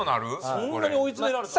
そんなに追い詰められた？